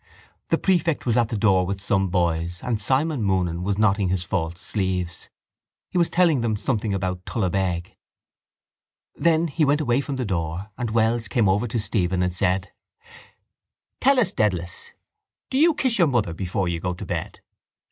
The prefect was at the door with some boys and Simon Moonan was knotting his false sleeves. He was telling them something about Tullabeg. Then he went away from the door and Wells came over to Stephen and said: —Tell us, Dedalus, do you kiss your mother before you go to bed?